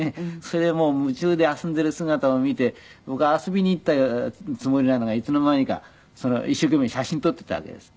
それで夢中で遊んでいる姿を見て僕遊びに行ったつもりなのがいつの間にか一生懸命写真撮っていたわけです。